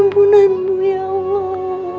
ampunanmu ya allah